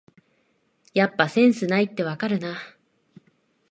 やっぱセンスないってわかるな